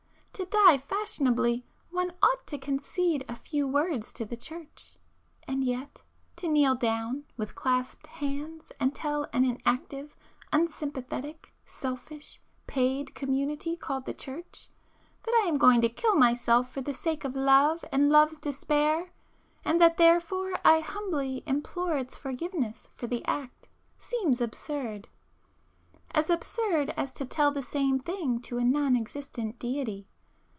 To die fashionably, one ought to concede a few words to the church. And yet ... to kneel down with clasped hands and tell an inactive, unsympathetic, selfish, paid community called the church, that I am going to kill myself for the sake of love and love's despair, and that therefore I humbly implore its forgiveness for the act seems absurd,—as absurd as to tell the same thing to a non existent Deity.